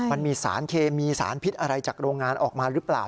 มันมีสารเคมีสารพิษอะไรจากโรงงานออกมาหรือเปล่า